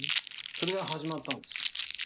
それが始まったんですよ。